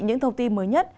những thông tin mới nhất